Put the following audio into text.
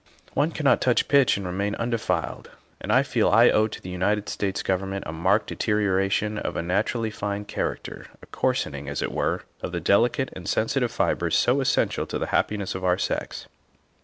One cannot touch pitch and remain undefiled, and I feel I owe to the United States Government a marked deteri oration of a naturally fine character a coarsening, as it were, of the delicate and sensitive fibres so essential to the happiness of our sex.